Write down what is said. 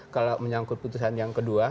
kalau menyangkut putusan yang kedua